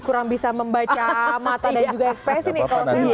kurang bisa membaca mata dan juga ekspresi nih kalau saya lihat